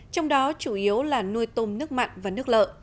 trong đó chủ yếu là nuôi tôm nước mặn và nước lợ